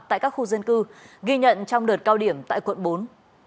tại các khu dân cư ghi nhận trong đợt cao điểm tại quận bốn